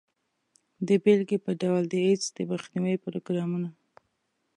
د بیلګې په ډول د ایډز د مخنیوي پروګرامونه.